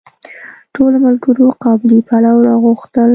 ټولو ملګرو قابلي پلو راوغوښتل.